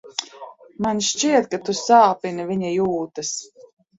Man šķiet, ka tu sāpini viņa jūtas.